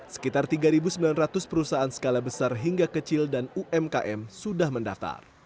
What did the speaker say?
sekitar tiga sembilan ratus perusahaan skala besar hingga kecil dan umkm sudah mendaftar